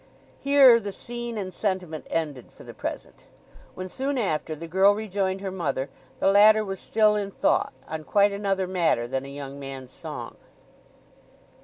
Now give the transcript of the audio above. Here the scene and sentiment ended for the present. When soon after, the girl rejoined her mother, the latter was still in thought—on quite another matter than a young man's song.